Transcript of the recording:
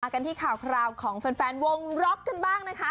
กันที่ข่าวคราวของแฟนวงล็อกกันบ้างนะคะ